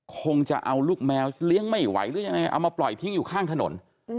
คงจะเอาลูกแมวเลี้ยงไม่ไหวหรือยังไงเอามาปล่อยทิ้งอยู่ข้างถนน